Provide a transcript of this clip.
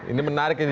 ini menarik ini